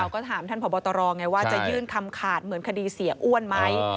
ก็ถามท่านผอบตรไงว่าจะยื่นคำขาดเหมือนคดีเสียอ้วนไหม